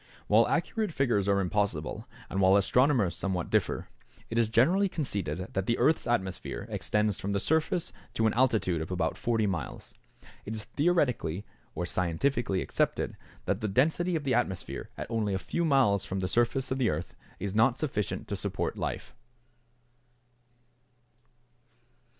= While accurate figures are impossible, and while astronomers somewhat differ, it is generally conceded that the earth's atmosphere extends from the surface to an altitude of about 40 miles. It is theoretically or scientifically accepted that the density of the atmosphere at only a few miles from the surface of the earth is not sufficient to support life.